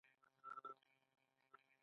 د زیرې ګل د باد لپاره وکاروئ